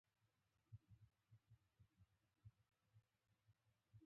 د علامه رشاد لیکنی هنر مهم دی ځکه چې ستره ونډه لري.